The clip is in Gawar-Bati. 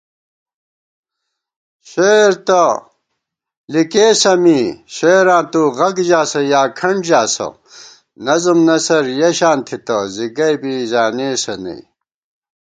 شعر تہ لِکېسہ می شعراں تُو غگ ژاسہ یا کھنٹ ژاسہ * نظم نثر یَہ شان تھِتہ زِگئی بی زانېسہ نئ